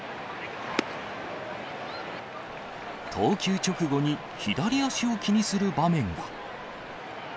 投球直後に、左足を気にする場面が。